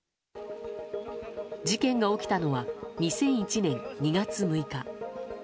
事件が起きたのは２００１年２月６日。